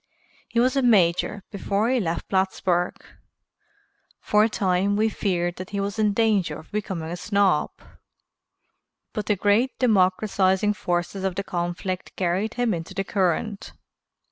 He was a major before he left Plattsburgh. For a time we feared that he was in danger of becoming a snob, but the great democratizing forces of the conflict carried him into the current.